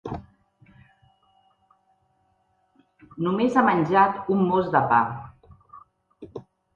Només ha menjat un mos de pa.